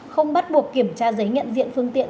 không bắt buộc kiểm tra giấy nhận diện phương tiện